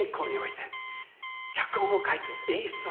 脚本を書いて演出をして。